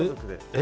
え？